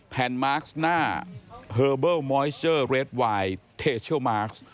ผมอ่านชื่อเอาถูกมาก